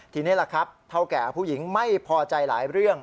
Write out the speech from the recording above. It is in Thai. ทีนี้ล่ะครับเท่าแก่ผู้หญิงไม่พอใจหลายเรื่อง